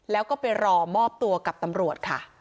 แล้วก็ไปรอมอบตัวกับตำรวจค่ะ